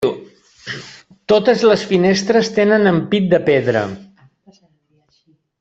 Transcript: Totes les finestres tenen ampit de pedra.